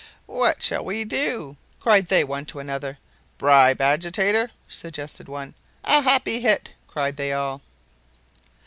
"What shall we do?" cried they one to another. "Bribe Agitator," suggested one. "A happy hit," cried they all.